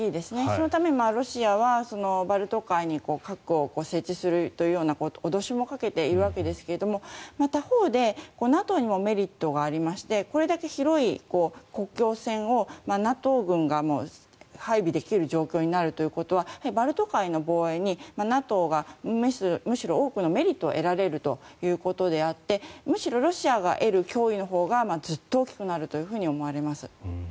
そのため、ロシアはバルト海に核を設置するという脅しもかけているわけですが他方でＮＡＴＯにもメリットがありましてこれだけ広い国境線をＮＡＴＯ軍が配備できる状況になるということはバルト海の防衛にＮＡＴＯが多くのメリットを得られるということであってむしろロシアが得る脅威のほうがずっと大きくなると思われます。